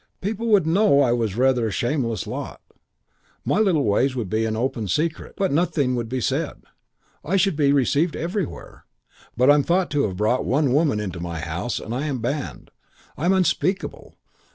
People would know I was rather a shameless lot, my little ways would be an open secret, but nothing would be said. I should be received everywhere. But I'm thought to have brought one woman into my house and I'm banned. I'm unspeakable.